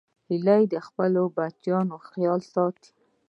هیلۍ د خپلو بچیانو خیال ساتي